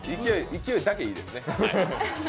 勢いだけいいですね。